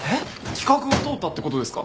企画通ったってことですか？